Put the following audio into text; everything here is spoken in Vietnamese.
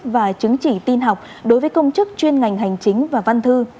và chứng chỉ tin học đối với công chức chuyên ngành hành chính và văn thư